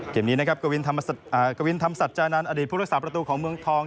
เกมนี้นะครับกวิ้นธรรมสัจจานานอดีตพุทธศาสตร์ประตูของเมืองท้อง